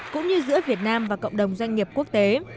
cũng như giữa việt nam và cộng đồng doanh nghiệp quốc tế